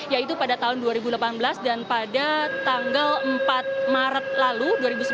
yaitu pada tahun dua ribu delapan belas dan pada tanggal empat maret lalu dua ribu sembilan belas